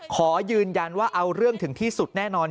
ขอยืนยันว่าเอาเรื่องถึงที่สุดแน่นอน